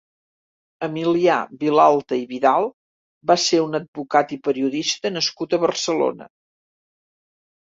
Emilià Vilalta i Vidal va ser un advocat i periodista nascut a Barcelona.